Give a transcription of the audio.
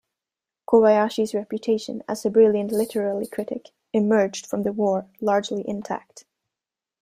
Kobayashi's reputation as a brilliant literary critic emerged from the war largely intact.